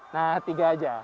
nah tiga aja